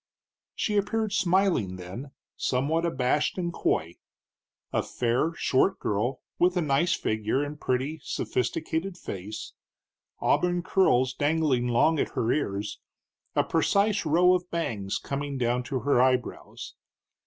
She appeared smiling then, somewhat abashed and coy, a fair short girl with a nice figure and pretty, sophisticated face, auburn curls dangling long at her ears, a precise row of bangs coming down to her eyebrows.